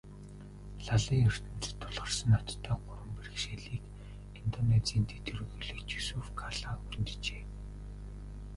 Лалын ертөнцөд тулгарсан ноцтой гурван бэрхшээлийг Индонезийн дэд ерөнхийлөгч Юсуф Калла хөнджээ.